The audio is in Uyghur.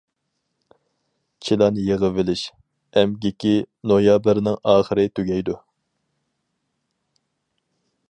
چىلان يىغىۋېلىش ئەمگىكى نويابىرنىڭ ئاخىرى تۈگەيدۇ.